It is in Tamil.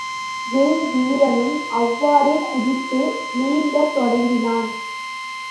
வில்வீரனும் அவ்வாறே குதித்து நீந்தத் தொடங்கினான்.